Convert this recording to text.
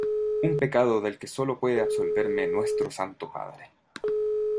un pecado del que sólo puede absolverme Nuestro Santo Padre.